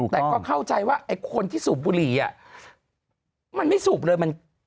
แต่ก็เข้าใจว่าไอ้คนที่สูบบุหรี่มันไม่สูบเลย